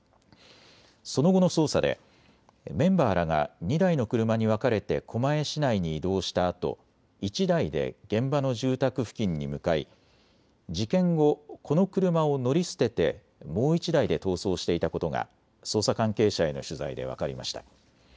その後の捜査でメンバーらが２台の車に分かれて狛江市内に移動したあと１台で現場の住宅付近に向かい事件後、この車を乗り捨ててもう１台で逃走していたことが捜査関係者への取材で分かりました。